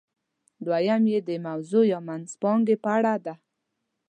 دویم یې د موضوع یا منځپانګې په اړه ده.